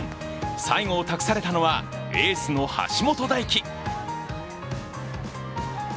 最後を託されたのはエースの橋本大輝。